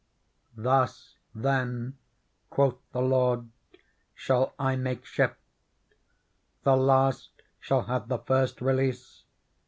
Thus then/ quoth the lord, * shall I make shift : The last shall have the first release.